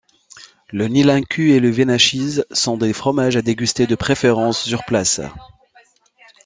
Le niulincu et le venachese sont des fromages à déguster de préférence... sur place.